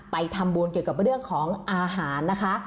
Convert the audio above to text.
ไปทำบุญเกี่ยวกับเรื่องของอาหารนะคะ